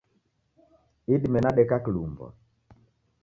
Idime nadeka kilumbwa.